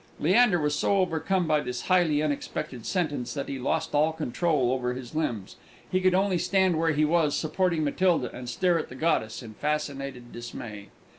Leander was so overcome by this highly unexpected sentence that he lost all control over his limbs; he could only stand where he was, supporting Matilda, and stare at the goddess in fascinated dismay.